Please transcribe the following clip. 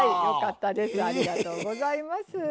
よかったです。